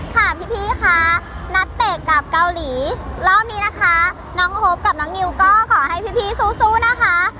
ค่ะพี่คะนักเตะกับเกาหลีรอบนี้นะคะน้องฮบกับน้องนิวก็ขอให้พี่สู้นะคะ